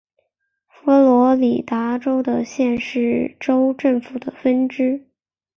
佛罗里达州的县是州政府的分支。